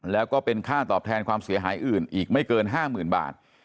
แล้วก็เป็นค่าตอบแทนความเสียหายอื่นอีกไม่เกิน๕๐๐๐บาท